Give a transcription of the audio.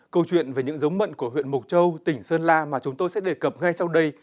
câu chuyện về những giống mận của huyện mộc châu tỉnh sơn la mà chúng tôi sẽ đề cập ngay sau đây